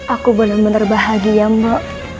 aku bener bener bahagia mbak